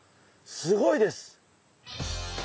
すごいです。